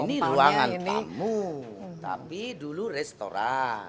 ini ruangan tamu tapi dulu restoran